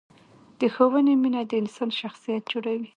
د ښوونې مینه د انسان شخصیت جوړوي.